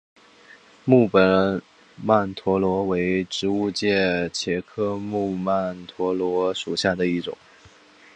木本曼陀罗为植物界茄科木曼陀罗属下的一种。